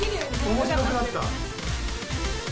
面白くなった。